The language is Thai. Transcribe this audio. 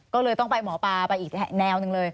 ก็เลยต้องไปหมอปลาไปอีกแนวหนึ่งเลย